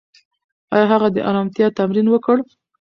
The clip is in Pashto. ایا هغه د ارامتیا تمرین وکړ؟